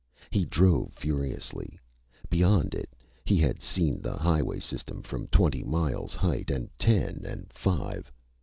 He drove furiously. Beyond it. He had seen the highway system from twenty miles height, and ten, and five.